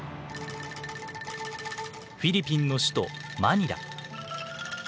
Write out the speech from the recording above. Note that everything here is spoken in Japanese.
フィリピンの首都マニラ。